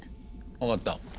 分かった。